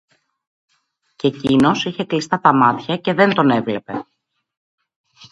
Κι εκείνος είχε κλειστά τα μάτια και δεν τον έβλεπε